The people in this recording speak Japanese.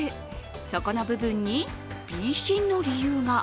底の部分にＢ品の理由が。